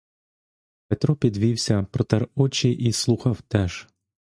Петро підвівся, протер очі і слухав теж.